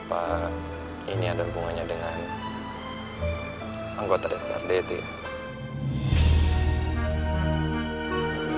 pak ini ada hubungannya dengan anggota dprd itu ya